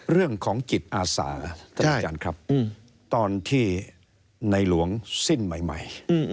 เรื่องของจิตอาสาท่านประธานครับตอนที่ในหลวงสิ้นใหม่